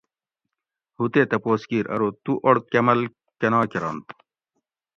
"ہُو تے تپوس کِیر ارو "" تُو اوڑ کمبل کنا کرنت؟"""